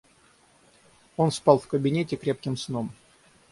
Он спал в кабинете крепким сном.